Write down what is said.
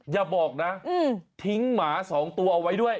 อย่าบอกนะทิ้งหมา๒ตัวเอาไว้ด้วย